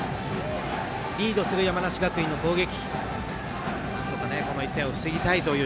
リードする山梨学院の攻撃。